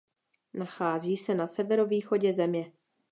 Nachází se na severovýchodě země.